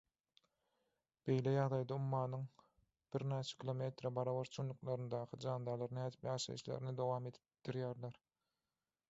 Beýle ýagdaýda ummanyň birnäçe kilometre barabar çuňluklaryndaky jandarlar nädip ýaşaýyşlaryny dowam etdirýärler?